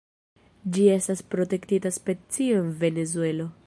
Ĝi estas protektita specio en Venezuelo.